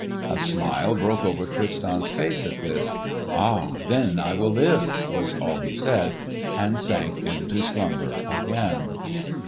A smile broke over Tristan's face at this. "Ah! then I will live!" was all he said, and sank into slumber again.